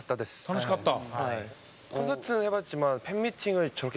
楽しかった。